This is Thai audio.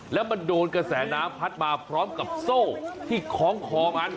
แล้วมันโดนกระแสน้ำพัดมาพร้อมกับโซ่ที่คล้องคอมัน